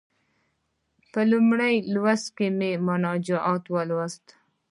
په لومړي لوست کې مناجات ولوست.